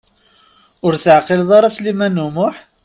Ur teɛqileḍ ara Sliman U Muḥ?